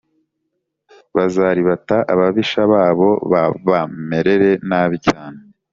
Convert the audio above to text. Bazaribata abibisha babo babamerere nabi cyane